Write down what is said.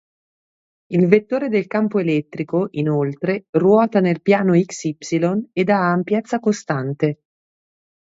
Il vettore del campo elettrico, inoltre, ruota nel piano x-y ed ha ampiezza costante.